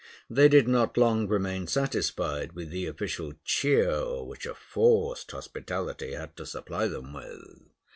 They did not long remain satisfied with the official cheer which a forced hospitality had to supply them with.